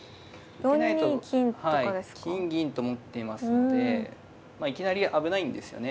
受けないと金銀と持っていますのでまあいきなり危ないんですよね。